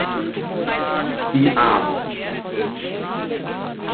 Die Arme!